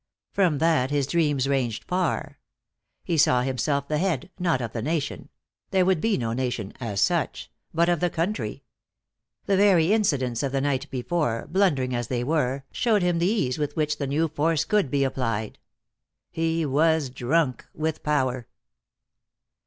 From that his dreams ranged far. He saw himself the head, not of the nation there would be no nation, as such but of the country. The very incidents of the night before, blundering as they were, showed him the ease with which the new force could be applied. He was drunk with power.